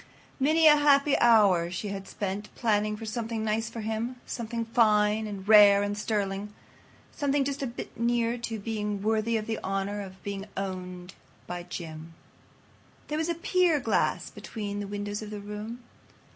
Many a happy hour she had spent planning for something nice for him. Something fine and rare and sterling—something just a little bit near to being worthy of the honor of being owned by Jim. There was a pier glass between the windows of the room.